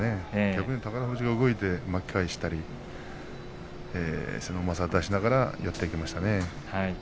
逆に宝富士が動いて巻き返したりうまさを出しながら寄っていきましたね。